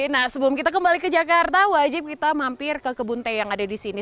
nah sebelum kita kembali ke jakarta wajib kita mampir ke kebun teh yang ada di sini